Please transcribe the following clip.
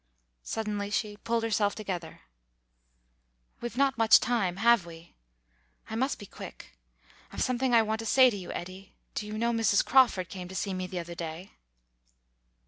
Suddenly she pulled herself together. "We've not much time, have we? I must be quick. I've something I want to say to you, Eddy.... Do you know Mrs. Crawford came to see me the other day?"